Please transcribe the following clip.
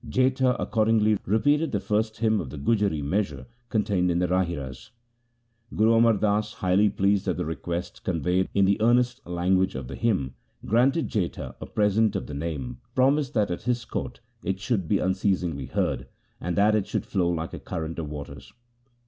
Jetha accordingly repeated the first hymn of the Gujari measure contained in the Rahiras. Guru Amar Das, highly pleased at the request conveyed in the earnest language of the hymn, 92 THE SIKH RELIGION granted Jetha a present of the Name, promised that at his court it should be unceasingly heard, and that it should flow like a current of waters.